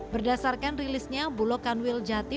berdasarkan rilisnya bulokan wiljati